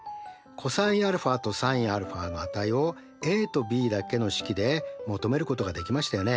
ｃｏｓαとｓｉｎαの値をａとｂだけの式で求めることができましたよね。